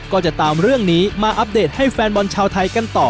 ก็จะตามเรื่องนี้มาอัปเดตให้แฟนบอลชาวไทยกันต่อ